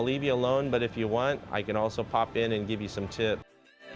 tapi jika anda ingin saya juga bisa masuk dan memberi anda beberapa saran